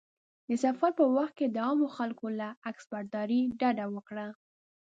د سفر په وخت کې د عامو خلکو له عکسبرداري ډډه وکړه.